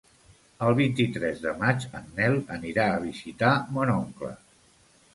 El vint-i-tres de maig en Nel anirà a visitar mon oncle.